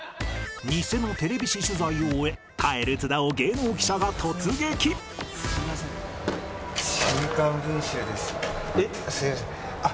ニセのテレビ誌取材を終え帰る津田を芸能記者が突撃えっ？